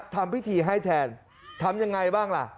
ทำพิธีให้แทนทำยังไงบ้างล่ะ